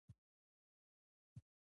د مېلو فضا د دوستۍ او ورورولۍ فضا يي.